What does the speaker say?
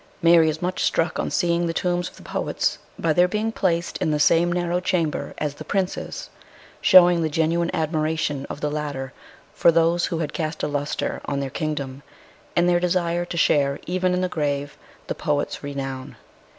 Mary is much struck on seeing the tombs of the poets by their being placed in the same narrow chamber as the Princes, showing the genuine admira tion of the latter for those who had cast a lustre on their kingdom, and their desire to share even in the grave the poet's renown.